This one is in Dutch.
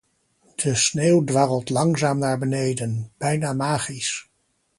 De sneeuw dwarrelt langzaam naar beneden, bijna magisch.